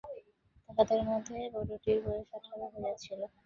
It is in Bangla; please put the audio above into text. তাহাদের মধ্যে বড়োটির বয়স আঠারো হইয়াছিল।